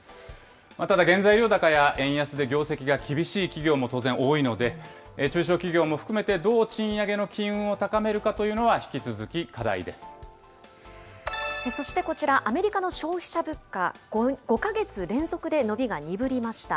ただ、原材料高や円安で業績が厳しい企業も当然多いので、中小企業も含めてどう賃上げの機運を高めるかというのは引き続きそしてこちら、アメリカの消費者物価、５か月連続で伸びが鈍りました。